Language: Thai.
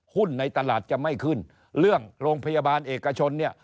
ในตลาดจะไม่ขึ้นเรื่องโรงพยาบาลเอกชนเนี่ย